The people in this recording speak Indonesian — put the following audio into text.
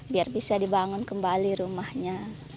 biar bisa dibangun kembali rumahnya